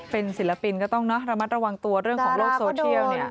เป็นศิลปินก็ต้องระมัดระวังตัวเรื่องของโลกโซเทียล